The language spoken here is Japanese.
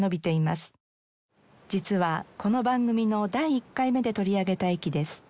実はこの番組の第１回目で取り上げた駅です。